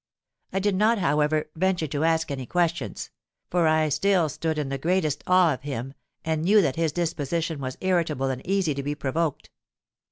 I did not, however, venture to ask any questions; for I still stood in the greatest awe of him, and knew that his disposition was irritable and easy to be provoked.